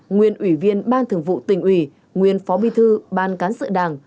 nguyên ủy viên ban thường vụ tỉnh ủy nguyên phó bi thư ban cán sự đảng